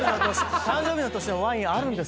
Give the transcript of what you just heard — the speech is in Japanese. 「誕生日の年のワインあるんですか？」